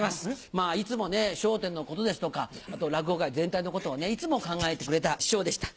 まあいつもね、笑点のことですとか、あと落語界全体のことをいつも考えてくれた師匠でした。